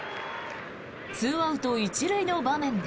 ２アウト１塁の場面で。